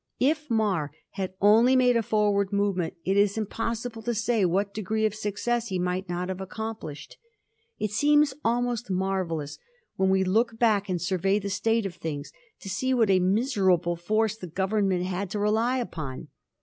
If Mar had only made a forward movement it is impossible to say what de gree of success he might not have accomplished. It seems almost marvellous, when we look back and survey the state of things, to see what a miserable force the Government had to rely upon.